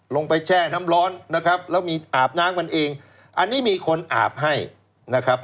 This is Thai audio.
แช่น้ำร้อนนะครับแล้วมีอาบน้ำกันเองอันนี้มีคนอาบให้นะครับ